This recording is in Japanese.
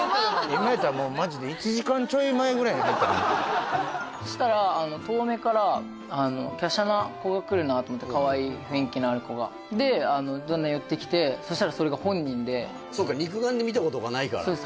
今のやったらもうマジで１時間ちょい前ぐらいに入った感じそしたら遠目からきゃしゃな子が来るなと思ってかわいい雰囲気のある子がでだんだん寄ってきてそしたらそれが本人でそうか肉眼で見たことがないからそうです